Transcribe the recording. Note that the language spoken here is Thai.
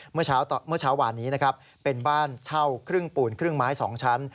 เมื่อเช้าวานนี้นะครับเป็นบ้านเช่าครึ่งปูนครึ่งไม้๒ชั้น